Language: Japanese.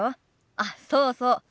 あっそうそう。